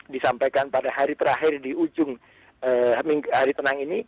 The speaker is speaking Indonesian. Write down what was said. disampaikan pada hari terakhir di ujung hari tenang ini